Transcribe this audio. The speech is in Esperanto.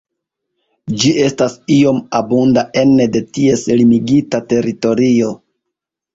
Ĝi estas iom abunda ene de ties limigita teritorio.